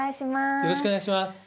よろしくお願いします。